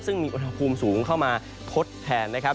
ซึ่งมีอุณหภูมิสูงเข้ามาทดแทนนะครับ